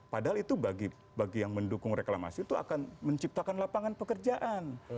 padahal itu bagi yang mendukung reklamasi itu akan menciptakan lapangan pekerjaan